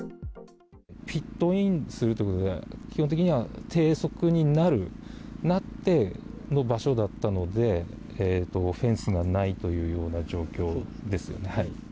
ピットインするということで、基本的には低速になる、なっての場所だったので、フェンスがないというような状況ですよね。